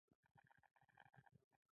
د نقرس لپاره د کومې میوې اوبه وڅښم؟